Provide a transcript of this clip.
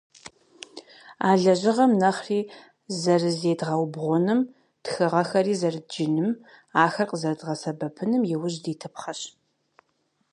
А лэжьыгъэм нэхъри зэрызедгъэубгъуным, тхыгъэхэри зэрыдджыным, ахэр къызэрыдгъэсэбэпыным иужь дитыпхъэщ.